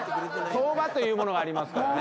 相場というものがありますからね。